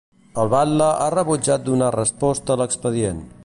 El batle ha rebutjat donar resposta a l'expedient.